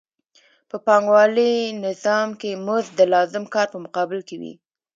په پانګوالي نظام کې مزد د لازم کار په مقابل کې وي